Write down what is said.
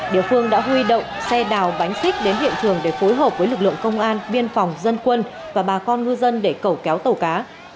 địa phương đã huy động xe đào bánh xích đến hiện trường để phối hợp với lực lượng công an biên phòng dân quân và bà con ngư dân để cầu kéo tàu cá